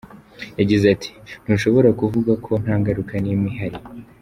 Yagize ati “Ntushobora kuvuga ko nta ngaruka n’imwe ihari.